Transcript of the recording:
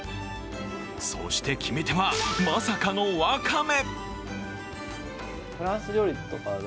そして決め手は、まさかのわかめ！